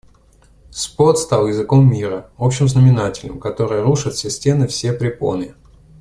«Спорт стал языком мира, общим знаменателем, который рушит все стены, все препоны...